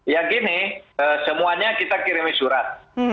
ya gini semuanya kita kirim surat